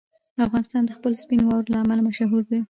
افغانستان د خپلو سپینو واورو له امله مشهور دی.